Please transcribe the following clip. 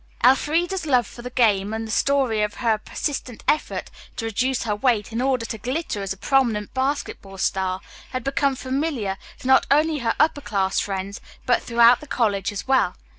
Elfreda's love for the game and the story of her persistent effort to reduce her weight in order to glitter as a prominent basketball star had become familiar to not only her upper class friends, but throughout the college as well.